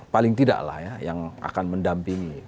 paling tidak lah ya yang akan mendampingi